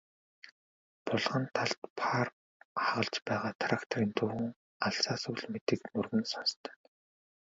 Булган талд паар хагалж байгаа тракторын дуун алсаас үл мэдэг нүргэн сонстоно.